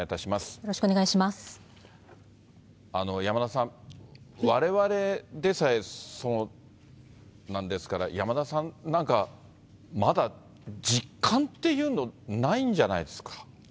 山田さん、われわれでさえ、そうなんですから、山田さんなんかは、まだ実感っていうの、ないんじゃないですか。